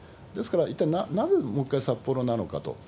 ですから、一体なぜ、もう一回札幌なのかと。